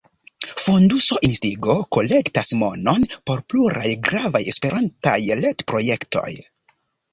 Fonduso Instigo kolektas monon por pluraj gravaj Esperantaj retprojektoj.